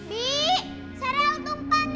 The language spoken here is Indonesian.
bi sarah utumpa nih